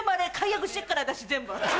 私全部。